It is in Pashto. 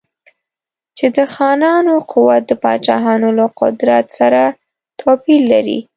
چې د خانانو قوت د پاچاهانو له قدرت سره توپیر لري.